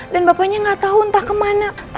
dan bapaknya nggak tahu entah ke mana